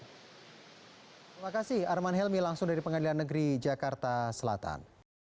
terima kasih arman helmi langsung dari pengadilan negeri jakarta selatan